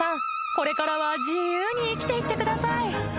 これからは自由に生きていってください